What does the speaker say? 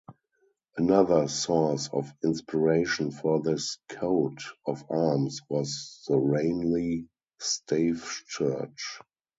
Another source of inspiration for this coat of arms was the Reinli stave church.